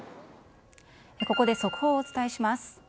ここで速報をお伝えします。